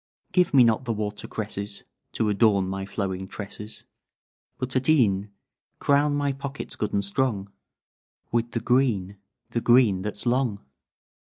Give me not the water cresses To adorn my flowing tresses, But at e'en Crown my pockets good and strong With the green The green that's long.'"